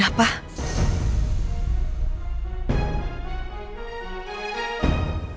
apa udah pak